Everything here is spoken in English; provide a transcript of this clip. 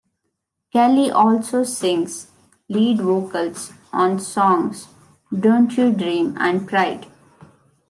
Kelly also sings lead vocals on songs "Don't You Dream" and "Pride".